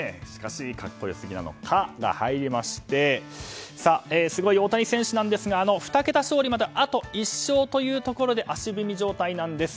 格好良すぎの「カ」が入りましてすごい大谷選手ですが２桁勝利まであと１勝というところで足踏み状態なんです。